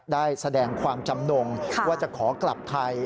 ได้แสดงความจำนงว่าจะขอกลับไทย